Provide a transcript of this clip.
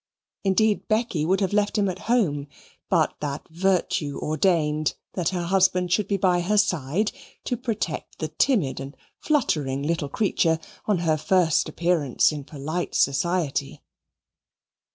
Indeed Becky would have left him at home, but that virtue ordained that her husband should be by her side to protect the timid and fluttering little creature on her first appearance in polite society.